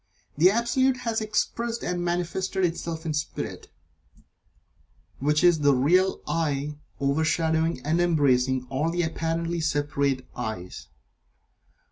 The Absolute has expressed and manifested itself in Spirit, which is the real "I" overshadowing and embracing all the apparently separate "I"s.